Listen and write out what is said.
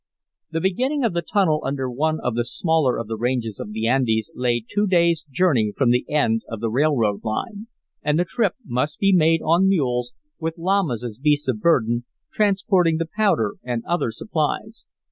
The beginning of the tunnel under one of the smaller of the ranges of the Andes lay two days journey from the end of the railroad line. And the trip must be made on mules, with llamas as beasts of burden, transporting the powder and other supplies.